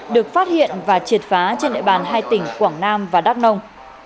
được phát hiện và triệt phá trên địa bàn hai tỉnh quảng nam và đắk nông